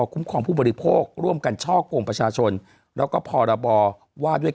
คุ้มครองผู้บริโภคร่วมกันช่อกงประชาชนแล้วก็พรบว่าด้วย